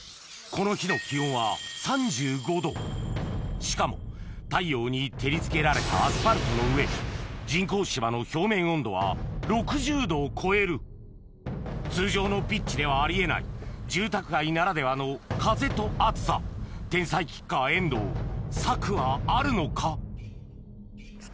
この日のしかも太陽に照りつけられたアスファルトの上人工芝の通常のピッチではあり得ない住宅街ならではの風と暑さ天才キッカー遠藤策はあるのか？